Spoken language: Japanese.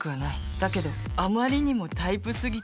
だけどあまりにもタイプ過ぎた。